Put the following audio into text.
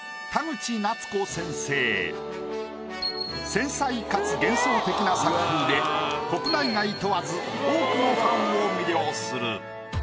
繊細かつ幻想的な作風で国内外問わず多くのファンを魅了する。